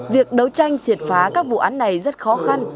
việc đấu tranh triệt phá các vụ án này rất khó khăn